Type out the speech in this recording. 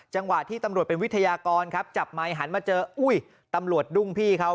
จังหวะที่ตำรวจเป็นวิทยากรครับจับไมค์หันมาเจออุ้ยตำรวจดุ้งพี่เขา